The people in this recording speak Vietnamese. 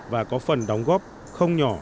và có phần đóng góp không nhỏ